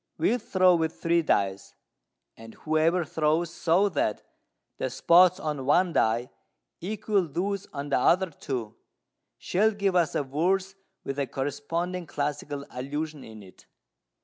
We'll throw with three dice; and whoever throws so that the spots on one die equal those on the other two shall give us a verse with a corresponding classical allusion in it."